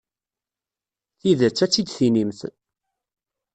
Tidet, ad tt-id-tinimt.